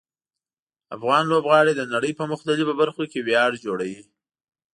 افغان لوبغاړي د نړۍ په مختلفو برخو کې ویاړ جوړوي.